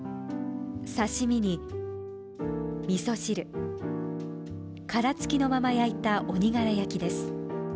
刺身にみそ汁、殻つきのまま焼いた鬼殻焼きです。